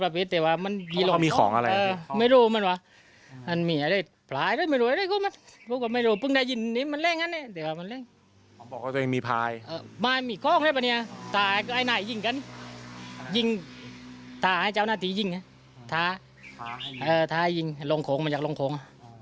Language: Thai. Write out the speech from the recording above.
บอกว่าตัวเองมีพรายตาให้เจ้าหน้าตียิงถ้ายิงลองของ